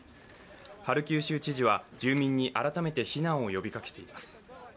ハルキウ州知事は住民に改めて避難呼びかけています。